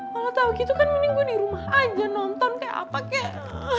kalau tau gitu kan mending gue di rumah aja nonton kayak apa kek